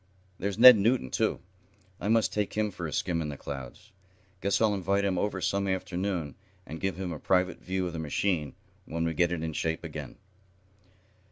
There's Ned Newton, too. I must take him for a skim in the clouds. Guess I'll invite him over some afternoon, and give him a private view of the machine, when we get it in shape again."